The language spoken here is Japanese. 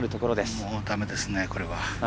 もうだめですね、これは。